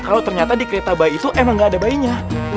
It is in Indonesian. kalau ternyata di kereta bayi itu emang gak ada bayinya